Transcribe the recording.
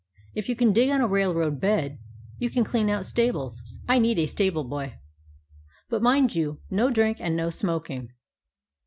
If you can dig on a railroad bed, you can clean out stables. I need a stable boy. But mind you, no drink, and no smoking.